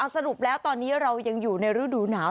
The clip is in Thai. สรุปแล้วตอนนี้เรายังอยู่ในฤดูหนาว